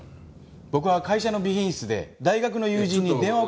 僕は会社の備品室で大学の友人に電話をかけていました。